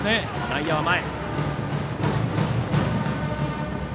内野は前。